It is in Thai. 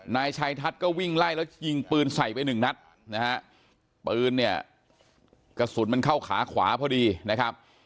นายชัยทัศน์ก็วิ่งไล่แล้วยิงปืนใส่ไปหนึ่งนัดนะฮะปืนเนี่ยกระสุนมันเข้าขาขวาพอดีนะครับ